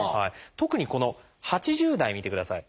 特にこの８０代見てください。